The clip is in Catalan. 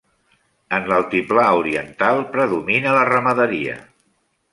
En l'altiplà oriental predomina la ramaderia.